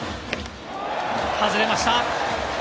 外れました。